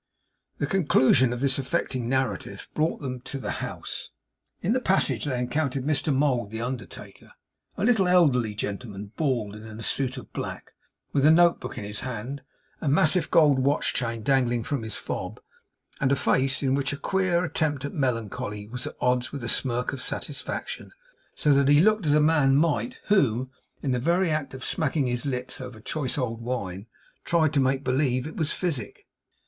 The conclusion of this affecting narrative brought them to the house. In the passage they encountered Mr Mould the undertaker; a little elderly gentleman, bald, and in a suit of black; with a notebook in his hand, a massive gold watch chain dangling from his fob, and a face in which a queer attempt at melancholy was at odds with a smirk of satisfaction; so that he looked as a man might, who, in the very act of smacking his lips over choice old wine, tried to make believe it was physic.